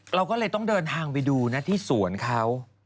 เจ้าแม่ตานีของฉันดีกว่า